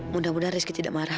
mudah mudahan rizky tidak marah